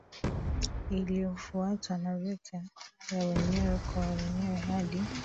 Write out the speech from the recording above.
iliyofuatwa na vita ya wenyewe kwa wenyewe hadi